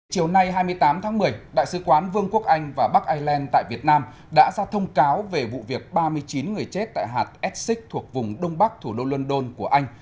chiều nay hai mươi tám tháng một mươi đại sứ quán vương quốc anh và bắc ireland tại việt nam đã ra thông cáo về vụ việc ba mươi chín người chết tại hạt essex thuộc vùng đông bắc thủ đô london của anh